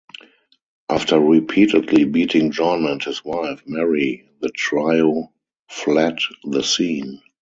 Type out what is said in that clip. After repeatedly beating John and his wife Mary, the trio fled the scene.